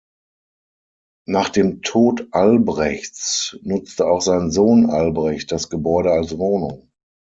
Nach dem Tod Albrechts nutzte auch sein Sohn Albrecht das Gebäude als Wohnung.